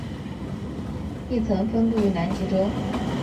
亦曾分布于南极洲。